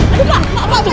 aduh pak pak pak pak